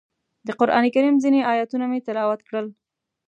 د قرانکریم ځینې ایتونه مې تلاوت کړل.